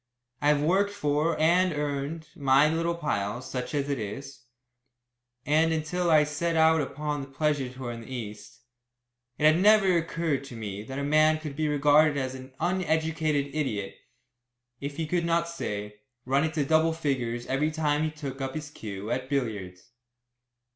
I have worked for, and earned, my little pile, such as it is, and until I set out upon that pleasure tour in the East, it had never occurred to me that a man could be regarded as an uneducated idiot if he could not, say, run into double figures every time he took up his cue at billiards.